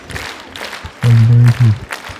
ٹک دے ایٹھی۔